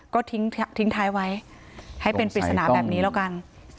ก็ทิ้งท้ายไว้ให้เป็นปริศนาแบบนี้แล้วกัน